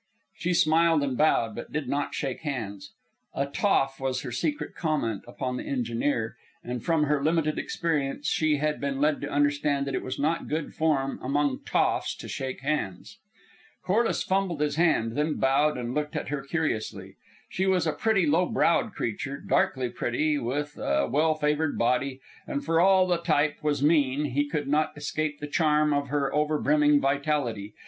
She smiled and bowed, but did not shake hands. "A toff" was her secret comment upon the engineer; and from her limited experience she had been led to understand that it was not good form among "toffs" to shake hands. Corliss fumbled his hand, then bowed, and looked at her curiously. She was a pretty, low browed creature; darkly pretty, with a well favored body, and for all that the type was mean, he could not escape the charm of her over brimming vitality.